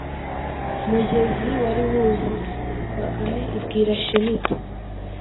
mugezi wari wuzuye. Bakame ibwira Shema iti: “